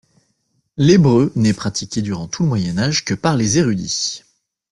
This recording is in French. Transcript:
L'hébreu n'est pratiqué durant tout le Moyen Âge que par les érudits.